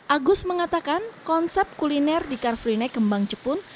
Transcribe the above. agus mengatakan konsep kuliner di car free day kembang jepun